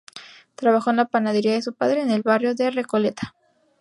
Trabajó en la panadería de su padre en el barrio de Recoleta.